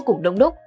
và cũng đông đúc